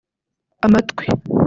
amatwi